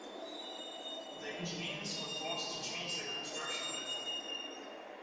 The engineers were forced to change their construction method.